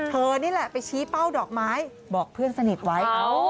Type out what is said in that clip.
นี่แหละไปชี้เป้าดอกไม้บอกเพื่อนสนิทไว้